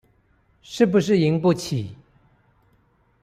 是不是贏不起